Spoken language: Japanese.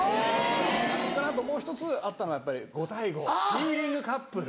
それからあともう１つあったのはやっぱり５対５フィーリングカップル。